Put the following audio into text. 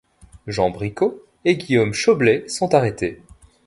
Jean Bricaud et Guillaume Choblet sont arrêtés.